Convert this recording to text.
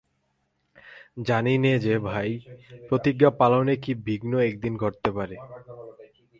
জানি নে যে ভাই, প্রতিজ্ঞা পালনে কী বিঘ্ন একদিন ঘটতে পারে।